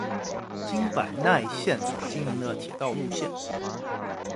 京阪奈线所经营的铁道路线。